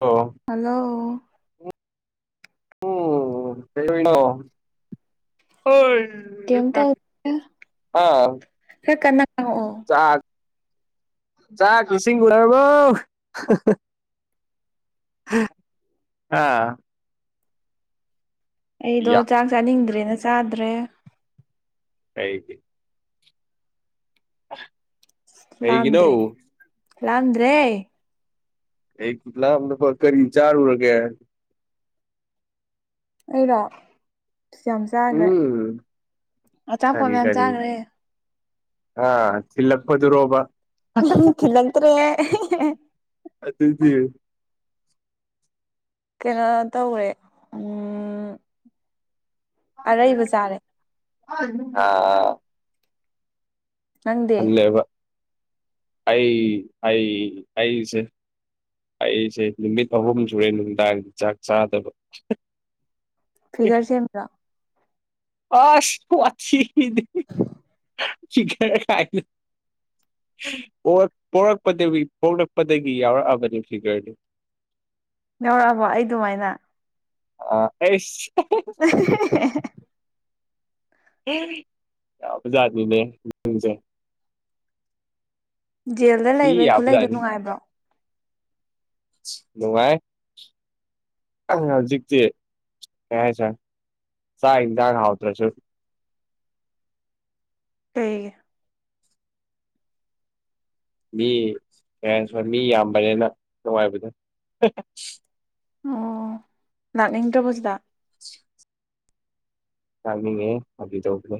ꯑꯣ ꯍꯜꯂꯣ ꯎꯝ ꯀꯩꯗꯧꯔꯤꯅꯣ ꯑꯣꯏ ꯀꯩꯝ ꯇꯧꯗꯦ ꯑꯥ ꯈꯔ ꯀꯟꯅ ꯉꯥꯡꯉꯛꯑꯣ ꯆꯥꯛ ꯆꯥꯛ ꯏꯁꯤꯡ ꯎꯅꯔꯕꯣ ꯍꯥ ꯍꯥ ꯍꯥ ꯑꯩꯗꯣ ꯆꯥꯛ ꯆꯥꯅꯤꯡꯗ꯭ꯔꯦꯅ ꯆꯥꯗ꯭ꯔꯦ ꯀꯩꯒꯤ ꯀꯩꯒꯤꯅꯣ ꯂꯝꯗ꯭ꯔꯦ [unintelligible] ꯀꯔꯤ ꯆꯥꯔꯨꯔꯒꯦ ꯑꯩꯔꯣ ꯌꯥꯝ ꯆꯥꯒ꯭ꯔꯦ ꯎꯝ ꯑꯆꯥꯄꯣꯠ ꯀꯔꯤ ꯃꯌꯥꯝ ꯀꯔꯤ ꯆꯥꯒ꯭ꯔꯦ ꯑꯥ ꯊꯤꯜꯂꯛꯄꯗꯨꯔꯣꯕ ꯍꯥ ꯊꯤꯜꯂꯛꯇ꯭ꯔꯦ ꯑꯗꯨꯗꯤ ꯀꯩꯅꯣ ꯇꯧꯔꯦ ꯎꯝ ꯑꯔꯩꯕ ꯆꯥꯔꯦ ꯑꯥ ꯑꯥ ꯅꯪꯗꯤ ꯈꯜꯂꯦꯕ ꯑꯩ ꯑꯩ ꯑꯩꯁꯦ ꯑꯩꯁꯦ ꯅꯨꯃꯤꯠ ꯑꯍꯨꯝ ꯁꯨꯔꯦ ꯅꯨꯡꯗꯥꯡꯒꯤ ꯆꯥꯛ ꯆꯥꯗꯕ ꯐꯤꯒꯔ ꯁꯦꯝꯃꯤꯔꯣ ꯑꯁ ꯋꯥꯊꯤꯗꯤ ꯐꯤꯒꯔ ꯀꯥꯏꯅ ꯄꯣꯛꯂꯛꯄꯗꯒꯤ ꯄꯣꯛꯂꯛꯄꯗꯒꯤ ꯌꯥꯎꯔꯛꯑꯕꯅꯦ ꯐꯤꯒꯔꯗꯤ ꯌꯧꯔꯛꯑꯕꯣ ꯑꯩ ꯗꯨꯃꯥꯏꯅ ꯑ ꯑꯩꯁ [unintelligible] ꯌꯥꯕꯖꯥꯠꯅꯤꯅꯦ ꯅꯪꯁꯦ ꯖꯦꯜꯗ ꯁꯤ ꯂꯩꯕꯩ ꯈꯨꯂꯩꯗꯣ ꯌꯥꯕꯖꯥꯠꯅꯤ ꯅꯨꯡꯉꯥꯏꯕ꯭ꯔꯣ ꯅꯨꯡꯉꯥꯏ ꯍꯧꯖꯤꯛꯗꯤ ꯀꯩ ꯍꯥꯏꯇꯔꯦ ꯆꯥꯛ ꯑꯦꯟꯁꯥꯡ ꯍꯥꯎꯇ꯭ꯔꯁꯨ ꯀꯩꯒꯤ ꯃꯤ ꯃꯌꯥꯝꯁꯨ ꯃꯤ ꯌꯥꯝꯕꯅꯤꯅ ꯅꯨꯡꯉꯥꯏꯕꯗꯣ ꯂꯥꯛꯅꯤꯡꯗꯔꯕꯣ ꯁꯤꯗ ꯂꯥꯛꯅꯤꯡꯉꯦꯍꯦ ꯐꯒꯤ ꯇꯧꯕꯅꯦ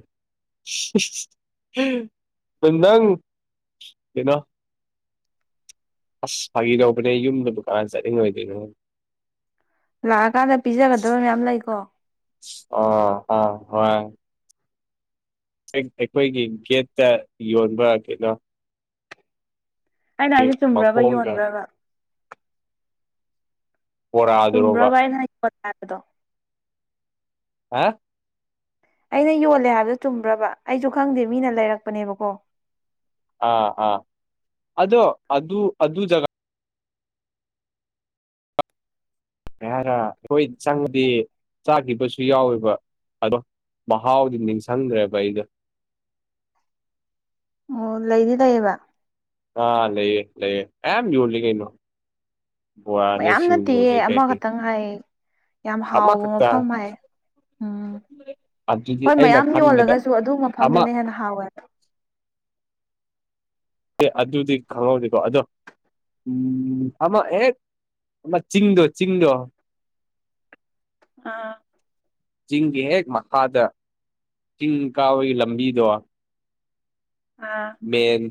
ꯅꯪ ꯀꯩꯅꯣ ꯑꯁ ꯐꯥꯒꯤ ꯂꯧꯕꯅꯦ ꯌꯨꯝꯗ ꯀꯥꯃꯥꯏ ꯆꯠꯅꯤꯡꯉꯣꯏꯗꯣꯏꯅꯣ ꯂꯥꯛꯑꯀꯥꯟꯗ ꯄꯤꯖꯒꯗꯕ ꯃꯌꯥꯝ ꯂꯩꯀꯣ ꯑꯣ ꯑ ꯍꯣꯏ ꯑꯩꯈꯣꯏꯒꯤ ꯒꯦꯠꯇ ꯌꯣꯟꯕ ꯀꯩꯅꯣ ꯑꯩꯅ ꯍꯥꯏꯕꯁꯦ ꯆꯨꯝꯕ꯭ꯔꯕ ꯃꯈꯣꯡꯒ ꯌꯣꯟꯕꯔꯕ ꯕꯣꯔꯥꯗꯨꯔꯣꯕ ꯆꯨꯝꯕꯔꯕ ꯑꯩꯅ ꯍꯥ ꯑꯩꯅ ꯌꯣꯜꯂꯦ ꯍꯥꯏꯕꯗꯣ ꯆꯨꯝꯕ꯭ꯔꯕ ꯑꯩꯁꯨ ꯈꯪꯗꯦ ꯃꯤꯅ ꯂꯩꯔꯛꯄꯅꯦꯕꯀꯣ ꯑꯥ ꯑꯥ ꯑꯗꯣ ꯑꯗꯨ ꯑꯗꯨ ꯖꯥꯒ ꯍꯥꯏꯔ ꯑꯩꯈꯣꯏ ꯆꯪꯗꯤ ꯆꯥꯈꯤꯕꯁꯨ ꯌꯥꯎꯋꯦꯕ ꯑꯗꯣ ꯃꯍꯥꯎꯗꯤ ꯅꯤꯡꯁꯤꯡꯗ꯭ꯔꯦꯕ ꯑꯩꯗꯣ ꯑꯣ ꯂꯩꯗꯤ ꯂꯩꯌꯦꯕ ꯑꯥ ꯂꯩꯌꯦ ꯂꯩꯩꯌꯦ ꯃꯌꯥꯝ ꯌꯣꯜꯂꯤ ꯀꯩꯅꯣ ꯕꯣꯔꯥ ꯅꯦ ꯃꯌꯥꯝ ꯅꯠꯇꯦꯌꯦ ꯁꯤꯡꯖꯨꯅꯦ ꯀꯩꯗꯩ ꯑꯃꯈꯛꯇꯪ ꯍꯥꯏꯌꯦ ꯌꯥꯝ ꯍꯥꯎꯕ ꯃꯐꯝ ꯍꯥꯏꯌꯦ ꯎꯝ ꯑꯗꯨꯗꯤ ꯍꯣꯏ ꯑꯩꯅ ꯃꯌꯥꯝ ꯈꯟꯕꯗ ꯌꯣꯜꯂꯒꯁꯨ ꯑꯗꯨ ꯑꯃ ꯃꯐꯝꯗꯨꯅ ꯍꯦꯟꯅ ꯍꯥꯎꯋꯦꯕ ꯑꯦ ꯑꯗꯨꯗꯤ ꯈꯪꯍꯧꯗꯦꯀꯣ ꯑꯗꯣ ꯎꯝ ꯑꯃ ꯍꯦꯛ ꯆꯤꯡꯗꯣ ꯆꯤꯡꯗꯣ ꯑꯥ ꯆꯤꯡꯒꯤ ꯍꯦꯛ ꯃꯈꯥꯗ ꯆꯤꯡ ꯀꯥꯕꯒꯤ ꯂꯝꯕꯤꯗꯣ ꯑꯥ ꯃꯦꯟ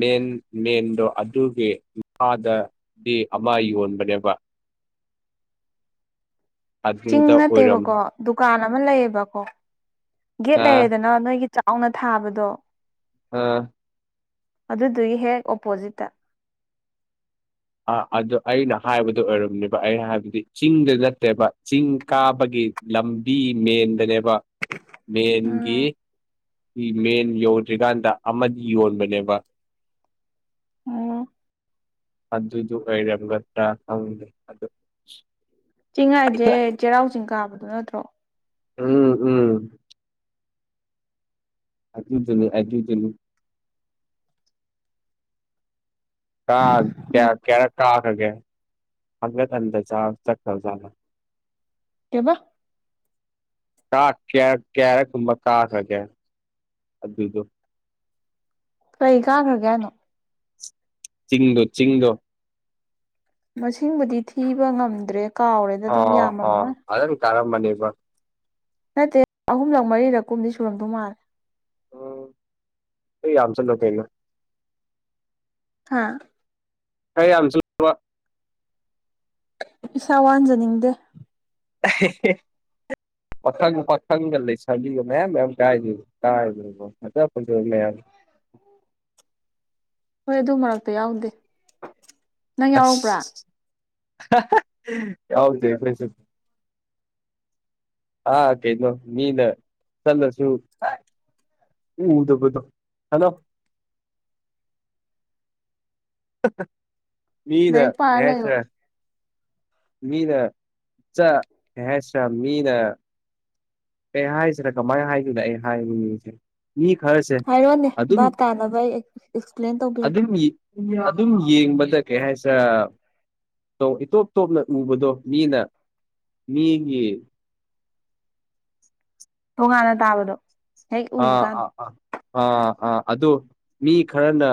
ꯃꯦꯟ ꯃꯦꯟꯗꯣ ꯑꯗꯨꯒꯤ ꯃꯈꯥꯗꯗꯤ ꯑꯃ ꯌꯣꯟꯕꯅꯦꯕ ꯆꯤꯡ ꯑꯗꯨꯗ ꯑꯣꯏꯔꯝ ꯅꯠꯇꯦꯕꯀꯣ ꯗꯨꯀꯥꯟ ꯑꯃ ꯂꯩꯌꯦꯕꯀꯣ ꯒꯦꯠ ꯑꯥ ꯂꯩꯔꯦꯗꯅ ꯅꯣꯏꯒꯤ ꯆꯥꯎꯅ ꯊꯥꯕꯗꯣ ꯑꯥ ꯑꯗꯨꯗꯨꯒꯤ ꯍꯦꯛ ꯑꯣꯄꯣꯖꯤꯠꯇ ꯑ ꯑꯗꯨ ꯑꯩꯅ ꯍꯥꯏꯕꯗꯨ ꯑꯣꯏꯔꯝꯅꯦꯕ ꯑꯩ ꯍꯥꯏꯕꯗꯤ ꯆꯤꯡꯗꯤ ꯅꯠꯇꯦꯕ ꯆꯤꯡ ꯀꯥꯕꯒꯤ ꯂꯝꯕꯤ ꯃꯦꯟꯗꯅꯦꯕ ꯃꯦꯟꯒꯤ ꯎꯝ ꯃꯦꯟ ꯌꯧꯗ꯭ꯔꯤꯀꯥꯟꯗ ꯑꯃꯗꯤ ꯌꯣꯟꯕꯅꯦꯕ [unintelligible] ꯑꯗꯨꯏꯗꫭ ꯑꫭꯏꯔꯝꯒꯗ‍꯭ꯔ ꯈꯪꯗꯦ [unintelligible] ꯆꯤꯡ ꯍꯥꯏꯖꯦ ꯆꯩꯔꯥꯎ ꯆꯤꯡ ꯀꯥꯕꯗꯨ ꯅꯠꯇ꯭ꯔꯣ ꯎꯝ ꯎꯝ ꯑꯗꯨꯗꯨꯅꯨ ꯑꯗꯨꯗꯨꯅꯨ [unintelligible] ꯀꯌꯥꯔꯛ ꯀꯥ [unintelligible] ꯀꯩꯕ ꯀꯥ [unintelligible] ꯀꯌꯥꯔꯛ ꯀꯨꯝꯕ ꯀꯥꯈ꯭ꯔꯒꯦ ꯑꯗꯨꯗꯣ ꯀꯩ ꯀꯥꯒ꯭ꯔꯒꯦ ꯍꯥꯏꯅꯣ ꯆꯤꯡꯗꫭ ꯆꯤꯡꯗꯣ ꯃꯁꯤꯡꯕꯨꯗꯤ ꯊꯤꯕ ꯉꯝꯗ꯭ꯔꯦ ꯀꯥꯎꯔꯦꯗ ꯑꯗꯨꯝ ꯑꯣ ꯌꯥꯝꯃꯝꯃꯣꯏ ꯑꯣ ꯐꯖꯅ ꯀꯔꯝꯃꯅꯦꯕ ꯅꯠꯇꯦ ꯑꯍꯨꯝꯂꯛ ꯃꯔꯤꯔꯛ ꯀꯨꯝꯗꯤ ꯁꯨꯔꯝꯗꯧ ꯃꯥꯜꯂꯦ [unintelligible] ꯀꯩꯅꫭ ꯍꯥꯥ [unintelligible] ꯏꯁꯥ ꯋꯥꯟꯖꯅꯤꯡꯗꯦ [unintelligible] ꯄꯥꯈꯪ ꯄꯥꯈꯪꯒ ꯂꯩꯁꯥꯕꯤꯒ ꯃꯌꯥꯝ ꯃꯌꯥꯝ [unintelligible] ꯐꯖ ꯐꯖꯕ ꯃꯌꯥꯝ [inaudible] [inaudible] ꯍꯣꯏ ꯑꯗꯨ ꯃꯔꯛꯇ ꯌꯥꯎꯗꯦ ꯅꯪ ꯌꯥꯎꯔꯛꯄ꯭ꯔ ꯑꯁ [unintelligible] ꯌꯥꯎꯗꯦ ꯈꯣꯏꯁꯨ ꯑꯥ ꯀꯩꯩꯅꯣ ꯃꯤꯅ ꯆꯠꯂꯁꯨ ꯎꯗꯕꯗꫭ [unintelligible] [inaudible] [unintelligible] ꯃꯤꯅ ꯂꯥꯏꯔꯤꯛ ꯄꯥꯔ ꯀꯩ ꯂꯩꯌꯣ ꯍꯥꯏꯁꯤꯔ ꯃꯤꯅ ꯆꯥ ꯀꯩ ꯍꯥꯏꯁꯤꯔ ꯃꯤꯅ ꯀꯩ ꯍꯥꯏꯁꯤꯔ ꯀꯝꯃꯥꯏ ꯍꯥꯏꯗꫭꯏꯅꯣ ꯑꯩ ꯍꯥꯏꯕ [unintelligible] ꯃꯤ ꯈꯔꯁꯦ ꯍꯥꯏꯔꯣꯅꯦ ꯑꯗꯨꯝ ꯚꯥꯞ ꯇꯥꯅꯕ ꯑꯩ ꯑꯦꯛꯁꯄ꯭ꯂꯦꯟ ꯇꯧꯕꯤꯔꯛꯀꯦ ꯑꯗꯨꯝ ꯌꯤ ꯑꯗꯨꯝ ꯌꯦꯡ ꯕꯗ ꯀꯩ ꯍꯥꯏꯁꯤꯔ [unintelligible] ꯏꯇꯣꯞ ꯇꯣꯞꯅ ꯎꯕꯗꯣ ꯃꯤꯅ ꯃꯤꯒꯤ ꯇꯣꯉꯥꯟꯅ ꯇꯥꯕꯗꯣ ꯍꯦꯛ ꯎꯕ ꯀꯥꯟꯗ [unintelligible] ꯑꯗꫭ ꯃꯤ ꯈꯔꯅ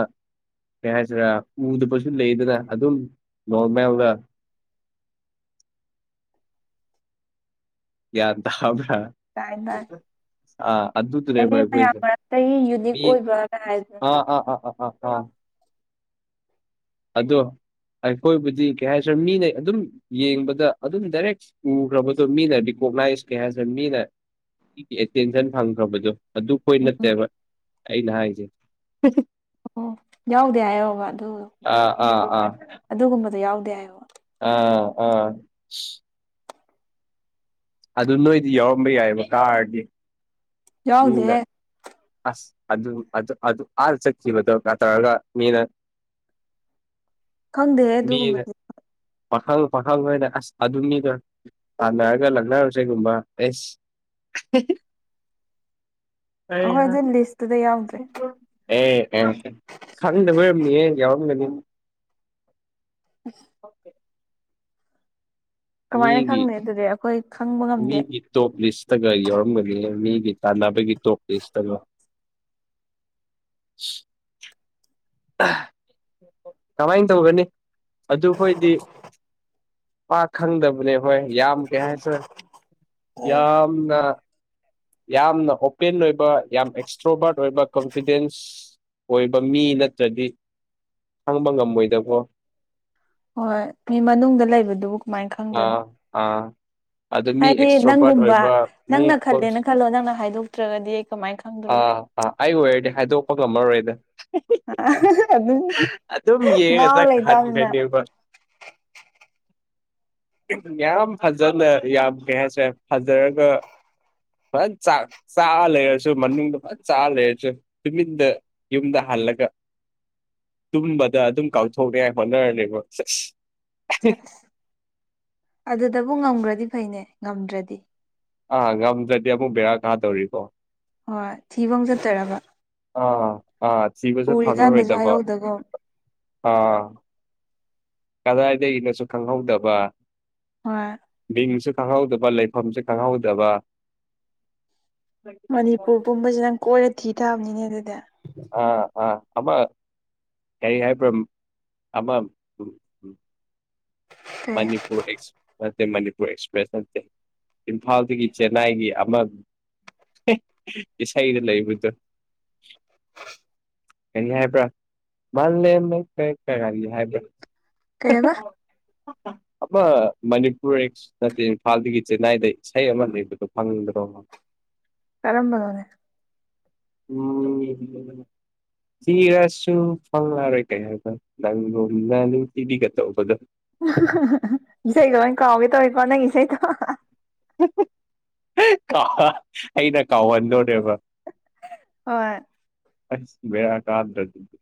ꯀꯩ ꯍꯥꯏꯁꯤꯔ ꯎꯗꯕꯁꯨ ꯂꯩꯗꯅ ꯑꯗꯨꯝ ꯅꯣꯔꯃꯦꯜꯗ ꯌꯥꯟ ꯇꯥꯕ ꯇꯥꯏ ꯇꯥꯏ [unintelligible] ꯑ ꯑꯗꯨꯗꯨꯅꯦꯕ ꯍꯥꯏꯗꯤ ꯃꯌꯥꯝ ꯑꯩꯈꯣꯏꯖꯦ ꯃꯔꯛꯇꯒꯤ ꯌꯨꯅꯤꯛ ꯄꯤ ꯑꯣꯏꯕꯅ ꯍꯥꯏꯕ ꯑꯥ ꯅꯠꯇ꯭ꯔꯣ ꯑꯥ ꯑꯥ ꯑꯥ ꯑꯥ ꯑꯥ ꯑꯗꯣ ꯑꯩꯈꯣꯏꯕꯨꯗꯤ ꯀꯩ ꯍꯥꯏꯁꯤꯔ‌ ꯃꯤꯅ ꯑꯗꯨꯝ ꯌꯦꯡꯕꯗ ꯑꯗꯨꯝ ꯗꯥꯏꯔꯦꯛ ꯎꯈ꯭ꯔꯕꯗꯣ ꯃꯤꯅ ꯔꯤꯀꫭꯛꯅꯥꯏꯁ ꯀꯩ ꯍꯥꯏꯁꯤꯔ ꯃꯤꯅ [unintelligible] ꯑꯦꯇꯦꯟꯁꯟ ꯐꯪꯈ꯭ꯔꯕꯗꯨ ꯑꯗꯨꯈꯣꯏ ꯎꯝ ꯅꯠꯇꯦꯕ ꯑꯩꯅ ꯍꯥꯏꯖꯦ [unintelligible] ꯑꯣ ꯌꯥꯎꯗꯦ ꯍꯥꯏꯌꯣꯕ ꯑꯗꯨ ꯑ ꯑꯥ ꯑꯥ ꯑꯗꯨꯒꯨꯝꯕꯗꯣ ꯌꯥꯎꯗꯦ ꯍꯥꯏꯌꯣꯕ ꯑ ꯑ ꯑꯗꯨ ꯅꯣꯏꯗꯤ ꯌꯥꯎꯔꯝꯕ ꯌꯥꯏꯑꯕ ꯀꯥꯔꯗꯤ ꯃꯤꯗꯥ ꯌꯥꯎꯗꯦꯍꯦ ꯑꯁ ꯑꯗꯨ ꯑꯗꯨ ꯑꯗꯨ ꯑꯥꯗ ꯆꯠꯈꯤꯕꯗꯣ ꯀꯇ꯭ꯔꯗ ꯃꯤꯅ ꯈꯪꯗꯦ ꯃꯤꯅ ꯑꯗꯨꯒꯨꯝꯕꯗꯤ ꯄꯥꯈꯪ ꯄꯥꯈꯪꯈꯣꯏꯅ ꯑꯁ ꯑꯗꯨ ꯃꯤꯗꯣ ꯇꯥꯟꯅꯔꯒ ꯂꯛꯅꯔꯨꯁꯦꯒꯨꯝꯕ ꯑꯦꯁ [unintelligible] ꯑꯩꯈꯣꯏ ꯑꯩꯍꯥ ꯑꯗꯨ ꯂꯤꯁꯇꯨꯗ ꯌꯥꯎꯗ꯭ꯔꯦ ꯑꯦ ꯑꯦꯝꯁꯦ ꯈꯪꯗꯕꯩ ꯑꯣꯏꯔꯝꯅꯤꯍꯦ ꯌꯥꯎꯔꯝꯒꯅꯤ [inaudible] ꯀꯃꯥꯏꯅ ꯃꯤꯒꯤ ꯈꯪꯅꯤ ꯑꯗꯨꯗꯤ ꯑꯩꯈꯣꯏ ꯈꯪꯕ ꯉꯝꯗꯦ ꯃꯤꯒꯤ ꯇꯣꯞ ꯂꯤꯁꯇꯒ ꯌꯥꯎꯔꯝꯒꯅꯤ ꯃꯤꯒꯤ ꯇꯥꯟꯅꯕꯒꯤ ꯇꯣꯞ ꯂꯤꯁꯇꯀꯣ ꯑꯍꯥ ꯀꯃꯥꯏꯅ ꯇꯧꯒꯅꯤ ꯑꯗꯨ ꯈꯣꯏꯗꯤ ꯄꯥꯛ ꯈꯪꯗꯕꯅꯦ ꯍꯣꯏ ꯌꯥꯝ ꯀꯩ ꯍꯥꯏꯁꯦꯔ ꯌꯥꯝꯅ ꯌꯥꯝꯅ ꯑꯣꯄꯦꯟ ꯑꯣꯏꯕ ꯌꯥꯝ ꯑꯦꯛꯁꯇ꯭ꯔꯣꯕꯥꯔꯠ ꯑꯣꯏꯕ ꯀꯣꯟꯐꯤꯗꯦꯟꯁ ꯑꯣꯏꯕ ꯃꯤ ꯅꯠꯇ꯭ꯔꯗꯤ ꯈꯪꯕ ꯉꯝꯃꯣꯏꯗꯕꯣ ꯍꯣꯏ ꯃꯤ ꯃꯅꯨꯡꯗ ꯂꯩꯕꯗꯨꯕꯨ ꯀꯃꯥꯏꯅ ꯈꯪꯗꯣꯏꯅꯣ ꯑꯥ ꯑꯥ ꯑꯗꯨ ꯃꯤ ꯍꯥꯏꯗꯤ ꯑꯦꯛꯁꯇ꯭ꯔꯣꯕꯥꯔꯠ ꯅꯪꯒꯨꯝꯕ ꯑꯣꯏꯕ ꯃꯤ ꯅꯪꯅ ꯈꯜꯂꯦꯅ ꯀꯣꯟꯐ- ꯈꯜꯂꯣ ꯅꯪꯅ ꯍꯥꯏꯗꯣꯛꯇ꯭ꯔꯒꯗꯤ ꯀꯃꯥꯏꯅ ꯈꯪꯗꯣꯔꯤꯒꯦ ꯑꯥ ꯑꯥ ꯑꯩ ꯑꯣꯏꯔꯗꯤ ꯍꯥꯏꯗꯣꯛꯄ ꯉꯝꯃꯔꯣꯏꯗ [unintelligible] ꯑꯗꯨꯝ ꯌꯦꯡꯉ ꯉꯥꯎ ꯂꯩꯇꯥꯕꯅꯤꯅ ꯆꯠꯍꯟꯒꯅꯦꯕ ꯌꯥꯝ ꯐꯖꯅ ꯌꯥꯝ ꯀꯩ ꯍꯥꯏꯁꯔꯦ ꯐꯖꯔꯒ ꯐꯖ ꯆꯥ ꯂꯩꯔꯁꯨ ꯃꯅꯨꯡꯗ ꯐꯖ ꯆꯥ ꯂꯩꯔꯁꯨ ꯇꯨꯃꯤꯟꯗ ꯌꯨꯝꯗ ꯍꯜꯂꯒ ꯇꯨꯝꯕꯗ ꯑꯗꯨꯝ ꯀꯥꯎꯊꯣꯛꯅꯤꯉꯥꯏ ꯍꯣꯠꯅꯔꯅꯦꯕ ꯑꯁ ꯁꯦꯁ ꯑꯗꯨꯗꯕꯨ ꯉꯝꯈ꯭ꯔꯗꯤ ꯐꯩꯅꯦ ꯉꯝꯗ꯭ꯔꯗꯤ ꯑꯥ ꯉꯝꯗꯗꯤ ꯑꯃꯨꯛ ꯕꯦꯔ ꯀꯥ ꯇꯧꯔꯤꯀꯣ ꯍꯣꯏ ꯊꯤꯕ ꯑꯃꯨꯛ ꯆꯠꯇꯣꯔꯕ ꯑꯥ ꯑꯥ ꯊꯤꯕꯁꯨ ꯎꯔꯤꯀꯥꯟꯗꯁꯨ ꯐꯪꯂꯔꯣꯏꯗꯕ ꯍꯥꯏꯍꯧꯗꯒꯨꯝ ꯑꯥ ꯀꯗꯥꯏꯗꯒꯤꯅꯣꯁꯨ ꯈꯪꯍꯧꯗꯕ ꯍꯣꯏ ꯃꯤꯡꯁꯨ ꯈꯪꯍꯧꯗꯕ ꯂꯩꯐꯝꯁꯨ ꯈꯪꯍꯧꯗꯕ ꯃꯅꯤꯄꯨꯔ ꯄꯨꯝꯕꯕꯁꯤ ꯅꯪ ꯀꯣꯏꯔ ꯊꯤ ꯊꯥꯕꯅꯤꯅꯦ ꯑꯗꯨꯗꯤ ꯑꯥ ꯑꯥ ꯑꯃ ꯀꯔꯤ ꯍꯥꯏꯕ꯭ꯔ ꯑꯃ ꯎꯃ ꯀꯩ ꯃꯅꯤꯄꯨꯔ ꯑꯦꯛꯁ ꯃꯅꯤꯄꯨꯔ ꯑꯦꯛꯁꯄ꯭ꯔꯦꯁ ꯅꯠꯇꯦ ꯏꯝꯐꯥꯜꯗꯒꯤ ꯆꯦꯟꯅꯥꯏꯒꯤ ꯑꯃ ꯏꯁꯩꯗ ꯂꯩꯕꯗꯣ ꯀꯔꯤ ꯍꯥꯏꯕ꯭ꯔꯥ ꯃꯥꯜꯂꯝ ꯂꯩꯀꯥꯏ ꯀꯔꯤ ꯍꯥꯏꯕ꯭ꯔꯥ ꯀꯩꯕ ꯑꯃ ꯃꯅꯤꯄꯨꯔ ꯅꯠꯇꯦ ꯏꯝꯐꯥꯜꯗꯒꯤ ꯆꯦꯟꯅꯥꯏꯗ ꯏꯁꯩ ꯑꯃ ꯂꯩꯕꯗꯣ ꯐꯪꯗ꯭ꯔꯣ ꯀꯔꯝꯕꯅꯣ ꯑꯝ ꯊꯤꯔꯁꯨ ꯐꯪꯂꯪꯂꯔꯣꯏ ꯀꯩ ꯍꯥꯏꯅ ꯅꯪ ꯒꯨꯝꯅ ꯅꯨꯡꯇꯤꯕꯤꯒ ꯇꯧꯕꯗꯣ ꯍꯥꯍꯥ ꯍꯥ ꯏꯁꯩꯗꯣ ꯂꯣꯏ ꯀꯥꯎꯒꯦ ꯇꯧꯋꯦꯀꯣ ꯅꯪ ꯏꯁꯩꯗꯣ ꯍꯥꯍꯥ ꯑꯩꯅ ꯀꯥꯎꯍꯟꯗꯣꯔꯦꯕ ꯍꯣꯏ ꯑꯁ ꯕꯦꯔꯥ ꯀꯥꯗ꯭ꯔ ꯗꯨꯗꯤ?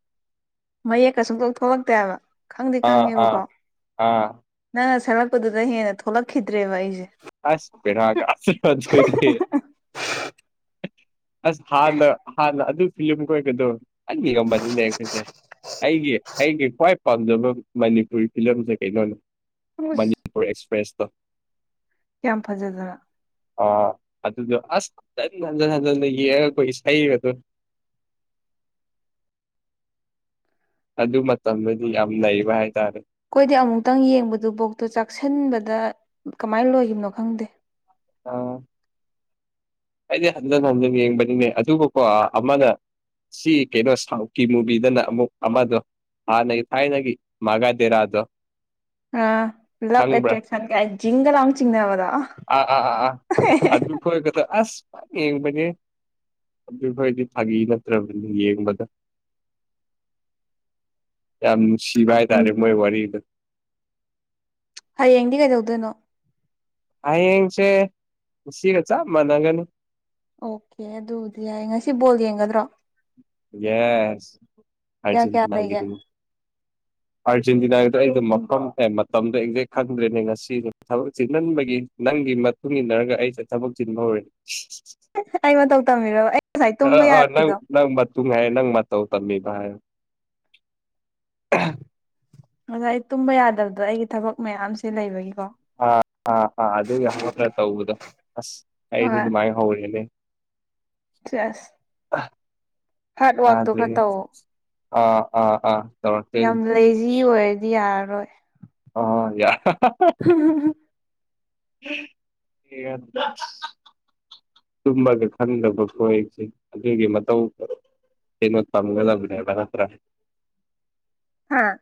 ꯃꯌꯦꯛꯀ ꯁꯨꯡꯊꯣꯛ ꯊꯣꯛꯂꯛꯇꯦ ꯍꯥꯏꯕ ꯈꯪꯗꯤ ꯑꯥ ꯑꯥ ꯈꯪꯉꯦꯕꯀꯣ ꯑꯥ ꯅꯪꯅ ꯁꯛꯂꯛꯄꯗꯨꯗ ꯍꯦꯟꯅ ꯊꯣꯛꯂꯛꯈꯤꯗ꯭ꯔꯦꯕ ꯑꯩꯁꯦ꯫ ꯑꯁ ꯕꯦꯔꯥ ꯀꯥꯗ꯭ꯔꯣ ꯑꯗꯨꯗꯤ ꯑꯁ ꯍꯥꯟꯅ ꯍꯥꯟꯅ ꯑꯗꯨ ꯐꯤꯂꯝ ꯈꯣꯏꯒꯗꯣ [unintelligible] ꯑꯩꯒꯤ ꯑꯩꯒꯤ ꯈ꯭ꯋꯥꯏ ꯄꯥꯝꯖꯕ ꯃꯅꯤꯄꯨꯔꯤ ꯐꯤꯂꯝꯁꯦ ꯀꯩꯅꯣꯅꯦ ꯃꯅꯤꯄꯨꯔ ꯑꯦꯛꯁꯄ꯭ꯔꯦꯁ [unintelligible] ꯀꯌꯥꯝ ꯐꯖꯗꯅ ꯑꯥ ꯑꯗꯨꯗꯣ ꯑꯁ ꯍꯟꯖꯟ ꯍꯟꯖꯟ ꯍꯟꯖꯟꯅ ꯌꯦꯛꯉꯒ ꯏꯁꯩꯒꯗꯣ ꯑꯗꯨ ꯃ ꯈꯣꯏꯗꯤ ꯑꯃꯨꯛꯇꯪ ꯌꯦꯡꯕꯗꯨꯕꯧꯇ ꯆꯥꯛꯁꯟꯕ ꯗ ꯀꯃꯥꯏ ꯂꯣꯏꯒꯤꯕꯅꯣ ꯈꯪꯗꯦ꯫ ꯑꯥ ꯑꯩꯗꯤ ꯍꯟꯖꯟ ꯍꯟꯖꯟ ꯌꯦꯡꯕꯅꯤꯅꯦ ꯑꯗꯨꯕꯨꯀꯣ ꯑꯃꯅ ꯁꯤ ꯀꯩꯅꯣ ꯁꯥꯎꯠꯀꯤ ꯃꯨꯕꯤꯗꯅ ꯑꯃꯨꯛ ꯑꯃꯗꯣ ꯍꯥꯥꯟꯅꯩ ꯊꯥꯏꯅꯒꯤ ꯃꯥꯒꯥꯗꯦꯔꯥꯗꯣ ꯑꯥ ꯂꯞ ꯈꯪꯕ꯭ꯔꯥ ꯑꯦꯇ꯭ꯔꯦꯛꯁꯟ ꯒꯥꯏ ꯖꯤꯡꯒ ꯂꯥꯎꯅ ꯆꯤꯡꯅꯕꯗꯣ꯫ ꯑꯥ ꯑꯥ ꯑꯥ ꯑꯗꯨ ꯈꯣꯏꯒꯗ ꯐ ꯌꯦꯡꯕꯅꯦ ꯑꯗꯨ ꯈꯣꯏꯗꯤ ꯐꯥꯒꯤ ꯅꯠꯇ꯭ꯔꯕꯅꯤ ꯌꯦꯡꯕꯗ꯫ ꯌꯥꯝ ꯅꯨꯁꯤꯕ ꯍꯥꯏ ꯇꯥꯔꯦ ꯃꯣꯏ ꯋꯥꯔꯤꯗꯣ꯫ ꯍꯌꯦꯡꯗꯤ ꯀꯩꯗꯧꯗꯨꯏꯅꯣ? ꯍꯌꯦꯡꯁꯦ ꯉꯁꯤꯒ ꯆꯞ ꯃꯥꯅꯒꯅꯤ꯫ ꯑꯣꯀꯦ ꯑꯗꯨꯕꯨꯗꯤ ꯌꯥꯏ ꯉꯁꯤ ꯕꯣꯜ ꯌꯦꯡꯒꯗ꯭ꯔꯣ? ꯌꯦꯁ ꯀꯌꯥ ꯀꯌꯥ ꯂꯩꯒꯦ ꯑꯥꯔꯖꯦꯟꯇꯤꯅꯥꯒꯤꯗꯨ꯫ ꯑꯥꯔꯖꯦꯟꯇꯤꯅꯥꯒꯤꯗꯣ ꯑꯩꯗꯨ ꯃꯐꯝ [unintelligible] ꯃꯇꯝꯗꯣ ꯑꯦꯛꯖꯦꯛ ꯈꯪꯗ꯭ꯔꯦꯅꯦ ꯉꯁꯤ ꯊꯕꯛ ꯆꯤꯟꯃꯟꯕꯒꯤ꯫ ꯅꯪꯒꯤ ꯃꯇꯨꯡ ꯏꯟꯅꯔꯒ ꯑꯩꯁꯦ ꯊꯕꯛ ꯆꯤꯟꯕ ꯍꯧꯔꯦ꯫ ꯑꯩ ꯃꯇꯧ ꯇꯝꯕꯤꯔꯕ ꯑꯩ ꯉꯁꯥꯏ [unintelligible] ꯇꯨꯝꯕ ꯑꯥ ꯅꯪ ꯌꯥꯗ꯭ꯔꯤꯗꯣ ꯅꯪ ꯃ ꯇꯨꯡ ꯍꯥꯏꯔꯦ ꯅꯪ ꯃꯇꯧ ꯇꯝꯃꯤꯕ ꯍꯥꯏꯔꯣ ꯑꯗ ꯑꯩ ꯇꯨꯝꯕ ꯌꯥꯗꯕꯗꯣ ꯑꯩꯒꯤ ꯊꯕꯛ ꯃꯌꯥꯝꯁꯦ ꯂꯩꯕꯒꯤꯀꯣ ꯑꯥ ꯑꯥ ꯑꯥ ꯑꯗꯨꯒꯤ ꯍꯧꯒꯠꯄꯗ ꯇꯧꯕꯗꯣ ꯑꯁ ꯑꯩꯗꯨ ꯗꯨꯃꯥꯏ ꯍꯧꯔꯛꯑꯦꯅꯦ꯫ ꯆꯦꯁ ꯌꯥꯗ꯭ꯔꯦꯍꯦ ꯑꯥ ꯑꯥ ꯑꯥ ꯇꯧꯔꯛꯇꯣꯏꯅꯤ ꯌꯥꯝ ꯂꯩꯖꯤ ꯑꯣꯏꯔꯗꯤ ꯌꯥꯔꯔꯣꯏ꯫ ꯍꯣ ꯍꯣ ꯌꯥ [unintelligible] [inaudible] ꯇꯨꯝꯃꯒ ꯈꯪꯗꯕ ꯈꯣꯏ ꯑꯗꯨꯒꯤ ꯃꯇꯧ ꯀꯩꯅꯣ ꯇꯝꯒꯗꯕꯅꯦꯕ ꯅꯠꯇ꯭ꯔꯥ? ꯍꯥꯥ?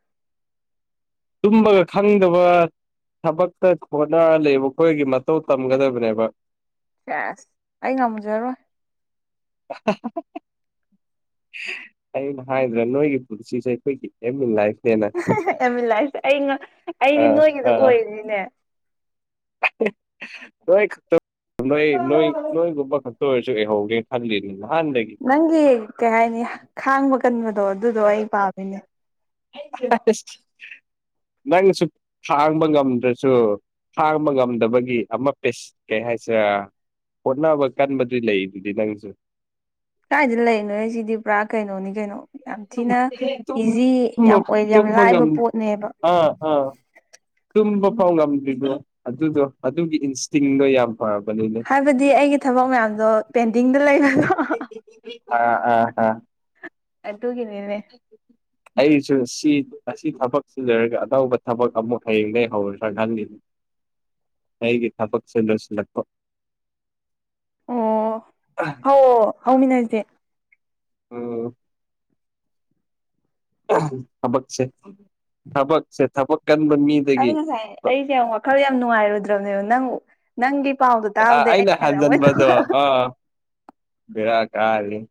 ꯇꯨꯝꯕꯒ ꯈꯪꯗꯕ ꯊꯕꯛꯇ ꯍꯣꯠꯅꯔ ꯂꯩꯕ ꯈꯣꯏꯒꯤ ꯃꯇꯧ ꯇꯝꯒꯗꯕꯅꯦꯕ꯫ ꯁꯦꯁ ꯑꯩ ꯉꯝꯖꯔꯣꯏ꯫ [unintelligible] ꯑꯩꯅ ꯍꯥꯏꯗ꯭ꯔ ꯅꯣꯏꯒꯤ ꯄꯨꯟꯁꯤꯁꯦ ꯑꯩꯈꯣꯏꯒꯤ M in life M in life ꯑꯩ ꯑ ꯑꯩꯗꯤ ꯅꯣꯏꯒꯤꯗꯣ ꯑꯣꯏꯅꯤꯡ ꯢꯅꯦ ꯅꯣꯏ ꯈꯛꯇ ꯅꯣꯏ ꯅꯣꯏ ꯅꯣꯏꯒꯨꯝꯕ ꯈꯛꯇ ꯑꯣꯏꯔꯁꯨ ꯑꯦꯍꯧꯒꯦ ꯈꯜꯂꯤꯅꯦ ꯅꯪꯒꯤ ꯀꯩ ꯍꯥꯏꯅꯤ ꯈꯥꯡꯕ ꯀꯟꯕꯗꯣ ꯑꯗꯨꯗꯣ ꯑꯩ ꯄꯥꯝꯃꯤꯅꯦ ꯅꯪꯁꯨ ꯈꯥꯡꯕ ꯉꯝꯗ꯭ꯔꯁꯨ ꯈꯥꯡꯕ ꯉꯝꯗꯕꯒꯤ ꯑꯃ ꯄꯦꯁ ꯀꯩ ꯍꯥꯏꯁꯤꯔꯥ ꯍꯣꯠꯅꯕ ꯀꯟꯕꯗꯤ ꯂꯩ ꯗꯨꯗꯤ ꯅꯪꯁꯨ ꯀꯥꯏꯗ ꯂꯩꯔꯤꯅꯣ ꯁꯤꯗꯤ ꯄꯨꯔꯥ ꯀꯩꯅꯣꯅꯤ ꯀꯩꯅꯣ ꯌꯥꯝ ꯊꯤꯅ ꯏꯖꯤ ꯇꯨꯝꯕ ꯌꯥꯝ ꯑꯣꯏ ꯌꯥꯝ ꯇꯨꯝꯕ ꯂꯥꯏꯕ ꯉꯝ ꯄꯣꯠꯅꯦꯕ ꯑꯥ ꯑꯥ ꯇꯨꯝꯕ ꯐꯥꯎ ꯉꯝꯗ꯭ꯔꯤꯗꯣ ꯑꯗꯨꯗꯣ ꯑꯗꯨꯒꯤ ꯏꯟꯁꯇꯤꯡꯗꯣ ꯌꯥꯝ ꯐꯕꯅꯤꯅꯦ ꯍꯥꯏꯕꯗꯤ ꯑꯩꯒꯤ ꯊꯕꯛ ꯃꯌꯥꯝꯗꯣ ꯄꯦꯟꯗꯤꯡꯗ ꯂꯩꯗꯅ ꯑꯥ ꯑꯥ ꯑꯥ ꯑꯗꯨꯒꯤꯅꯤꯅꯦ ꯑꯩꯒꯤꯁꯨ ꯗꯤ ꯑꯁꯤ ꯊꯕꯛ ꯁꯤ ꯂꯣꯏꯔꯒ ꯑꯅꯧꯕ ꯊꯕꯛ ꯑꯃꯨꯛ ꯍꯌꯦꯡꯗꯩ ꯍꯧꯔꯁꯤꯔ ꯈꯪꯗꯦ ꯑꯩꯒꯤ ꯊꯕꯛꯁꯦ ꯂꯣꯏꯁꯤꯜꯂꯛꯄ ꯑꯣ ꯍꯧꯋꯣ ꯍꯧꯃꯤꯟꯅꯁꯦ ꯎꯝ ꯊꯕꯛꯁꯦ ꯊꯕꯛꯁꯦ ꯊꯕꯛ ꯀꯟꯕ ꯑꯩ ꯃꯤꯗꯒꯤ ꯉꯁꯥꯏ ꯑꯩꯁꯦ ꯌꯥꯝ ꯋꯥꯈꯜ ꯌꯥꯝ ꯅꯨꯡꯉꯥꯏꯔꯨꯗ꯭ꯔꯝꯅꯦꯕ ꯅꯪ ꯅꯪꯒꯤ ꯄꯥꯎꯗꯣ ꯇꯥꯕꯗꯩ ꯑꯩꯅ ꯍꯦꯟꯅ ꯑꯃꯨꯛ ꯍꯟꯖꯟꯕꯗꯣ ꯍꯦꯟꯅ ꯑꯥ ꯕꯦꯔꯥ ꯀꯥꯔꯦ